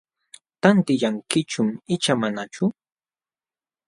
¿Tantiyankichum icha manachu?